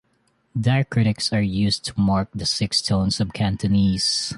Diacritics are used to mark the six tones of Cantonese.